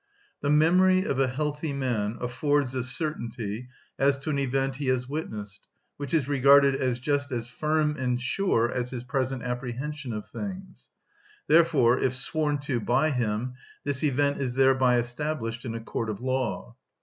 The memory of a healthy man affords a certainty as to an event he has witnessed, which is regarded as just as firm and sure as his present apprehension of things; therefore, if sworn to by him, this event is thereby established in a court of law.